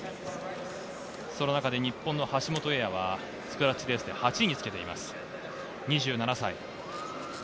その中で日本の橋本英也はスクラッチレースで８位につけています、２７歳。